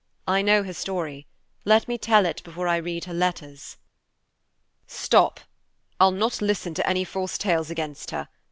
I know her story; let me tell it before I read her letters." "Stop! I'll not listen to any false tales against her.